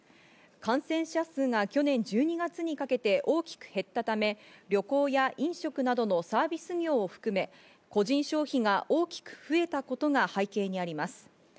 感染者数が去年１２月にかけて大きく減ったため、旅行や飲食などのサービス業を含め、個人消費が大きく増えたことが背景にあります。